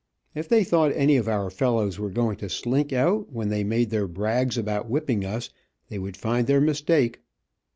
If they thought any of our fellows were going to slink out, when they made their brags about whipping us, they would find their mistake.